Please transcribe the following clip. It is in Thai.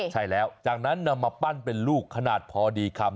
ใช่แล้วจากนั้นนำมาปั้นเป็นลูกขนาดพอดีคำ